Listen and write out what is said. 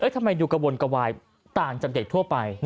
ทำไมดูกระวนกระวายต่างจากเด็กทั่วไป